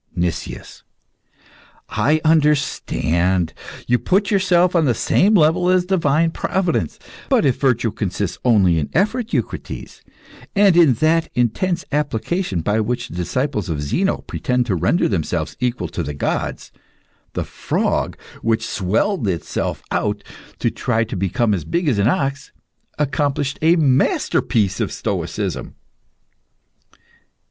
NICIAS. I understand. You put yourself on the same level as divine providence. But if virtue consists only in effort, Eucrites, and in that intense application by which the disciples of Zeno pretend to render themselves equal to the gods, the frog, which swelled itself out to try and become as big as the ox, accomplished a masterpiece of stoicism.